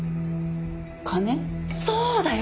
そうだよ！